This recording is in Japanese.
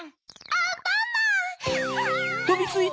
アンパンマン！わい！